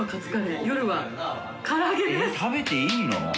えっ食べていいの？